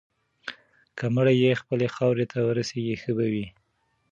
که مړی یې خپلې خاورې ته ورسیږي، ښه به وي.